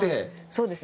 そうです。